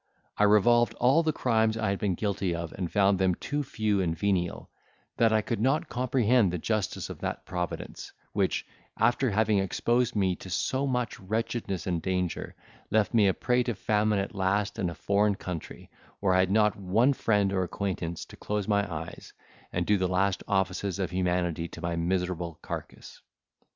I revolved all the crimes I had been guilty of and found them too few and venial, that I could not comprehend the justice of that Providence, which, after having exposed me to so much wretchedness and danger, left me a prey to famine at last in a foreign country, where I had not one friend or acquaintance to close my eyes, and do the last offices of humanity to my miserable carcass.